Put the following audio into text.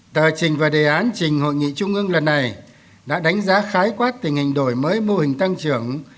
tờ trình và đề án trình hội nghị trung ương lần này đã đánh giá khái quát tình hình đổi mới mô hình tăng trưởng